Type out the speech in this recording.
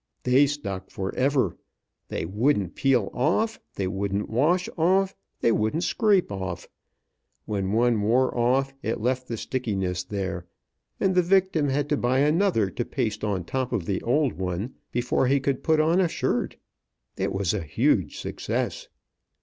They stuck forever. They wouldn't peel off, they wouldn't wash off, they wouldn't scrape off. When one wore off, it left the stickiness there; and the victim had to buy another to paste on top of the old one before he could put on a shirt. It was a huge success.